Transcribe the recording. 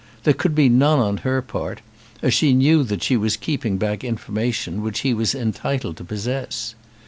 There could be none on her part, as she knew that she was keeping back information which he was entitled to possess.